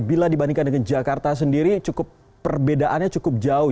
bila dibandingkan dengan jakarta sendiri cukup perbedaannya cukup jauh